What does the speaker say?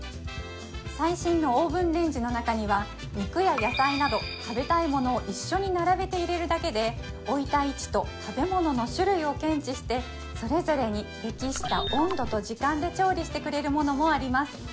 最新のオーブンレンジの中には肉や野菜など食べたい物を一緒に並べて入れるだけで置いた位置と食べ物の種類を検知してそれぞれに適した温度と時間で調理してくれるものもあります